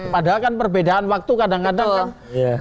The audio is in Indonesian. padahal kan perbedaan waktu kadang kadang kan